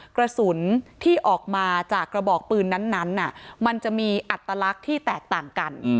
กระสุนที่ออกมาจากกระบอกปืนนั้นมันจะมีอัตลักษณ์ที่แตกต่างกัน